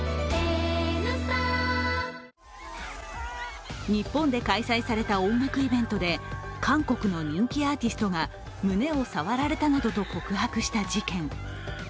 更に日本で開催された音楽イベントで韓国の人気アーティストが胸を触られたなどと告白した事件。